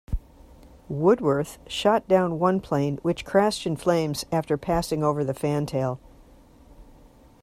"Woodworth" shot down one plane which crashed in flames after passing over the fantail.